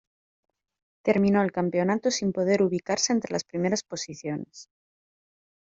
Terminó el campeonato sin poder ubicarse entre las primeras posiciones.